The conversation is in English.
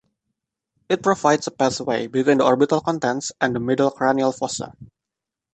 It provides a pathway between the orbital contents and the middle cranial fossa.